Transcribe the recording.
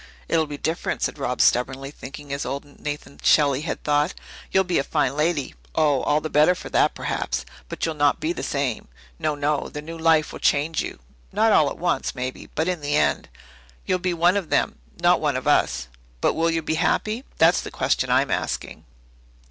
"It'll be different," said Rob stubbornly, thinking as old Nathan Shelley had thought. "You'll be a fine lady oh, all the better for that perhaps but you'll not be the same. No, no, the new life will change you; not all at once, maybe, but in the end. You'll be one of them, not one of us. But will you be happy? That's the question I'm asking."